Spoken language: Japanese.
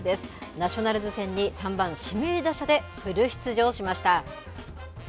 ナショナルズ戦に３番指名打者でフル出場しました。